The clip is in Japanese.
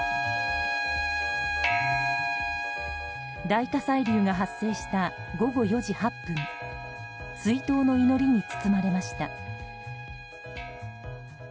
大火砕流が発生した午後４時８分追悼の祈りに包まれました。